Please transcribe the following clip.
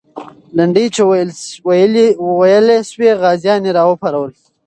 لنډۍ چې ویلې سوې، غازیان یې راوپارول.